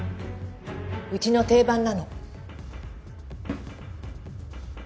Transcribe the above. うちの定番なの。